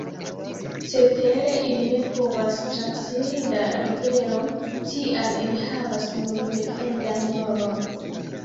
Cetere ili ne povas transiri la riveron; tial ili havas nur defendan rolon.